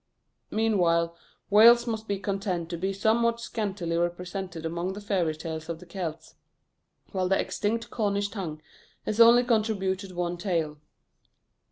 Meanwhile Wales must be content to be somewhat scantily represented among the Fairy Tales of the Celts, while the extinct Cornish tongue has only contributed one tale.